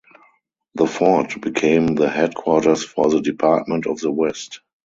The fort became the headquarters for the Department of the West.